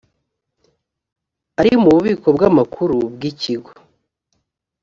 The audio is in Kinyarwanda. ari mu bubiko bw amakuru bw ikigo